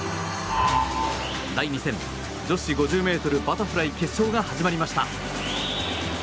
第２戦、女子５０ｍバタフライ決勝が始まりました。